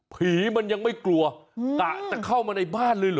ผีมันยังไม่กลัวกะจะเข้ามาในบ้านเลยเหรอ